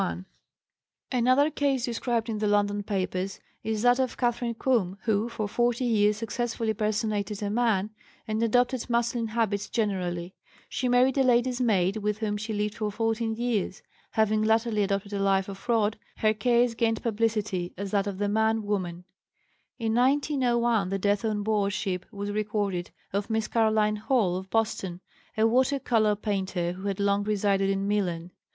Another case, described in the London papers, is that of Catharine Coome, who for forty years successfully personated a man and adopted masculine habits generally. She married a lady's maid, with whom she lived for fourteen years. Having latterly adopted a life of fraud, her case gained publicity as that of the "man woman." In 1901 the death on board ship was recorded of Miss Caroline Hall, of Boston, a water color painter who had long resided in Milan.